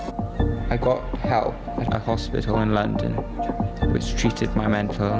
saya di hospital di london yang mengalami penyakit mental saya